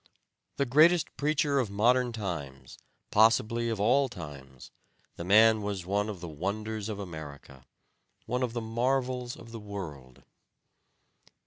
The greatest preacher of modern times, possibly of all times, the man was one of the wonders of America; one of the marvels of the world.